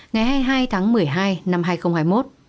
ngày hai mươi hai tháng một mươi hai năm hai nghìn hai mươi một